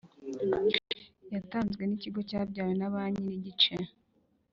Yatanzwe n ikigo cyabyawe na banki n igice